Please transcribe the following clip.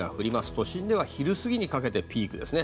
都心では昼過ぎにかけてピークですね。